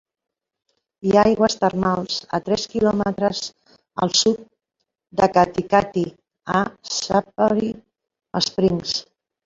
Hi ha aigües termals a tres quilòmetres al sud de Katikati, a Sapphire Springs.